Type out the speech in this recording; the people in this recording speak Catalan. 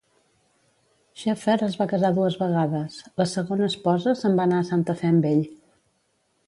Schaefer es va casar dues vegades; la segona esposa se'n va anar a Santa Fe amb ell.